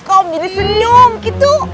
kom jadi senyum gitu